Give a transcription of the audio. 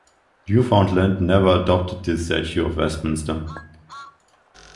Newfoundland never adopted the Statute of Westminster.